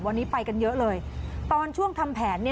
วันนี้ไปกันเยอะเลยตอนช่วงทำแผน